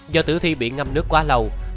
do tử thi bị ngâm nước quá lâu